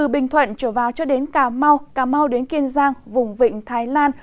phận trở vào cho đến cà mau cà mau đến kiên giang vùng vịnh thái lan